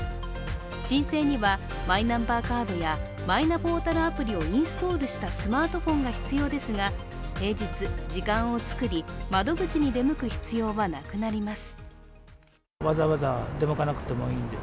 申請にはマイナンバーカードやマイナポータルアプリをインストールしたスマートフォンが必要ですが、平日、時間を作り、窓口に出向く必要はなくなります。